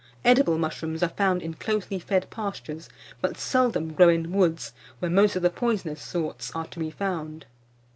Edible mushrooms are found in closely fed pastures, but seldom grow in woods, where most of the poisonous sorts are to be found.